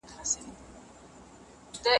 ښوونکي درس ورکاوه.